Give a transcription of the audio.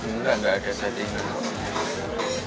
nggak nggak ada settingan